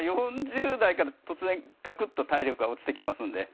４０代から突然、ガクッと体力が落ちてきますので。